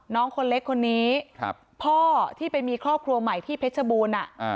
อ๋อน้องคนเล็กคนนี้ครับพ่อที่เป็นมีครอบครัวใหม่ที่เพชรบูนอ่ะอ่า